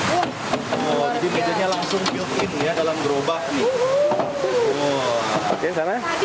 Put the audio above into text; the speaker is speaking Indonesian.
oh jadi mejanya langsung yuk in ya dalam gerobak nih